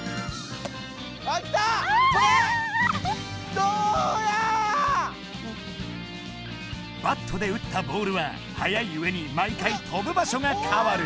どうや⁉バットで打ったボールははやいうえに毎回とぶ場所がかわる。